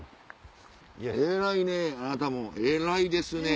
偉いねあなたも偉いですね。